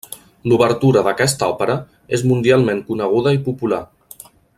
L'obertura d'aquesta òpera és mundialment coneguda i popular.